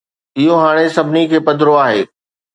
اهو هاڻي سڀني کي پڌرو آهي.